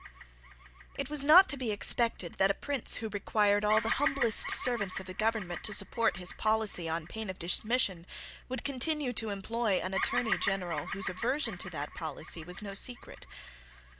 It was not to be expected that a prince who required all the humblest servants of the government to support his policy on pain of dismission would continue to employ an Attorney General whose aversion to that policy was no secret.